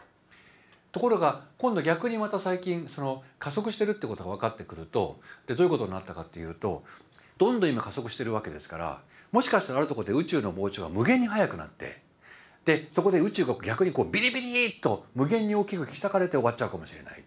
ところが今度逆にまた最近加速してるってことが分かってくるとどういうことになったかっていうとどんどん今加速してるわけですからもしかしたらあるところで宇宙の膨張が無限に速くなってそこで宇宙が逆にビリビリーッと無限に大きく引き裂かれて終わっちゃうかもしれない。